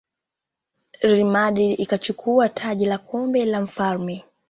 real madrid ikachukua taji la kombe la mfalme